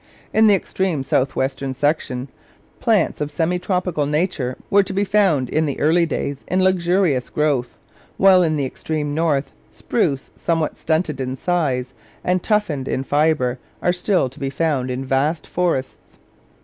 In the extreme south western section plants of a semi tropical nature were to be found in the early days in luxurious growth; while in the extreme north, spruce, somewhat stunted in size and toughened in fibre, are still to be found in vast forests.